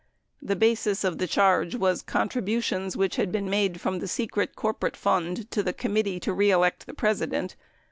The basis of the charge was contributions which had been made from the secret corporate fund to the Committee To Re Elect the President.